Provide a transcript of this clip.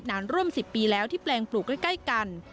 นานร่วม๑๐ปีแล้วที่แปลงปลูกใกล้กัน